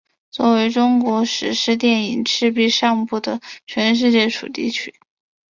作为中国史诗电影赤壁上部的全世界主题曲。